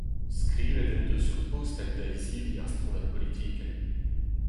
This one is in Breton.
Skrivet en deus ur postel da izili ar strollad politikel.